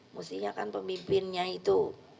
mestinya kan pemimpinnya itu